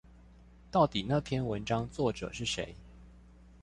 到底那篇文章作者是誰？